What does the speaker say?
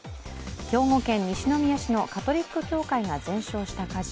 兵庫県西宮市のカトリック教会が全焼した火事。